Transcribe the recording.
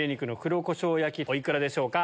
お幾らでしょうか？